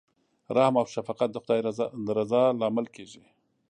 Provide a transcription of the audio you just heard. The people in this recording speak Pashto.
رحم او شفقت د خدای د رضا لامل کیږي.